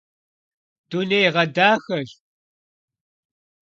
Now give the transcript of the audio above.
Дунейгъэдахэщ.